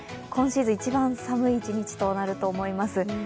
今シーズン一番寒い一日となると思います。